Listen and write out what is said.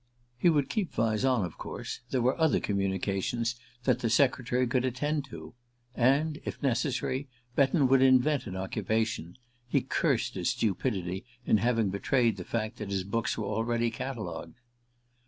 He would keep Vyse on, of course: there were other communications that the secretary could attend to. And, if necessary, Betton would invent an occupation: he cursed his stupidity in having betrayed the fact that his books were already catalogued.